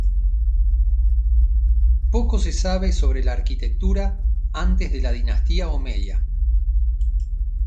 Poco se sabe sobre la arquitectura antes de la dinastía Omeya.